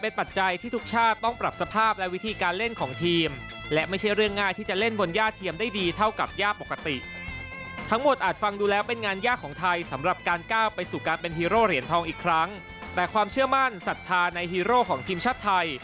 ในฮีโร่เหรียญทองอีกครั้งแต่ความเชื่อมั่นศรัทธาในฮีโร่ของทีมชาติไทย